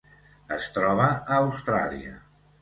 Es troba a Austràlia.